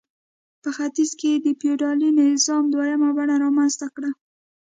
په ختیځ کې یې د فیوډالي نظام دویمه بڼه رامنځته کړه.